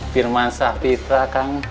firman sahpitra kang